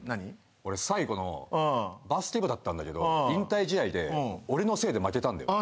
俺最後のバスケ部だったんだけど引退試合で俺のせいで負けたんだよああ